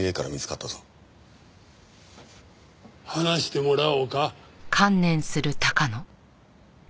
話してもらおうか？